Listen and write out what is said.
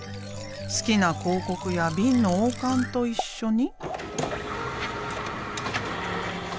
好きな広告やビンの王冠と一緒に。